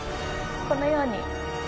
このように。